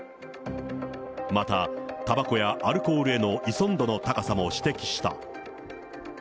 また、たばこやアルコールへの依存度の高さも指摘した。